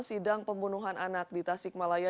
sidang pembunuhan anak di tasikmalaya